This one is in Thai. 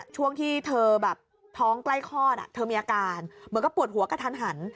ช่วงที่เธอแบบท้องใกล้คลอดเธอมีอาการเหมือนกับปวดหัวกระทันหัน